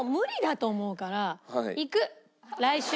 来週。